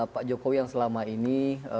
pak jokowi yang selama ini